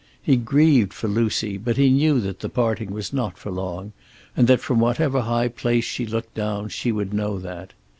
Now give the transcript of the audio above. He grieved for Lucy, but he knew that the parting was not for long, and that from whatever high place she looked down she would know that.